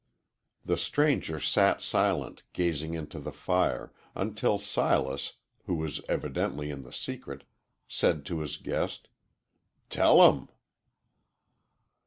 The stranger sat silent, gazing into the fire, until Silas, who was evidently in the secret, said to his guest, "Tell 'em."